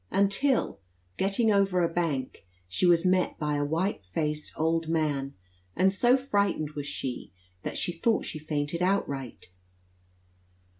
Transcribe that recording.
until, getting over a bank, she was met by a white faced old man, and so frightened was she, that she thought she fainted outright.